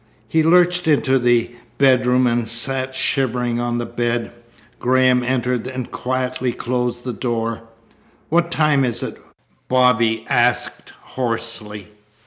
He lurched into the bedroom and sat shivering on the bed. Graham entered and quietly closed the door. "What time is it?" Bobby asked hoarsely.